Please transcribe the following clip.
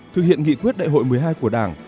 thực hiện nghị quyết đại hội một mươi hai của đảng